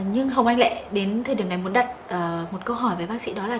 nhưng hồng anh lại đến thời điểm này muốn đặt một câu hỏi với bác sĩ đó là